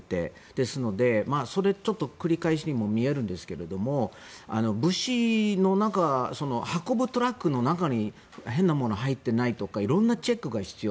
ですので、それを繰り返しにも見えるんですが物資の中、運ぶトラックの中に変なものが入っていないとか色々なチェックも必要。